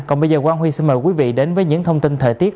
còn bây giờ quang huy xin mời quý vị đến với những thông tin thời tiết